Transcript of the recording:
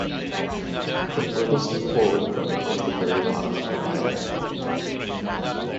The furthest forward point was the very bottom of the pilot.